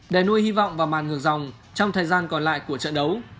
đè nuôi hy vọng và màn ngược dòng trong thời gian còn lại của trận đấu